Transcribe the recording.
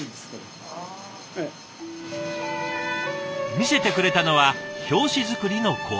見せてくれたのは表紙作りの工程。